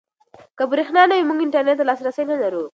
که برېښنا نه وي موږ انټرنيټ ته لاسرسی نلرو.